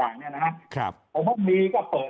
และผู้คนขนาดนี้ก็รังเลว่ามีอะไรใช่เหรอ